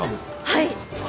はい！